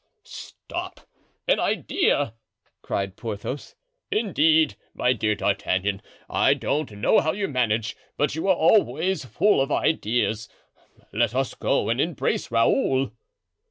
"Stop—an idea!" cried Porthos; "indeed, my dear D'Artagnan, I don't know how you manage, but you are always full of ideas; let us go and embrace Raoul."